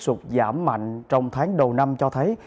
sụt giảm mạnh trong tháng đầu năm cho thấy